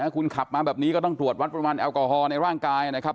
คุณขับมาแบบนี้ก็ต้องตรวจวัดปริมาณแอลกอฮอลในร่างกายนะครับ